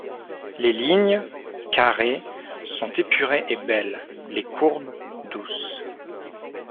Les lignes, carrées sont épurées et belles, les courbes, douces.